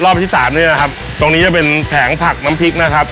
ที่สามนี่นะครับตรงนี้จะเป็นแผงผักน้ำพริกนะครับ